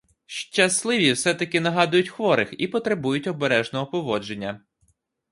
Щасливі все-таки нагадують хворих і потребують обережного поводження.